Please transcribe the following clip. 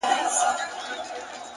وخت د سمو خلکو ارزښت ښيي!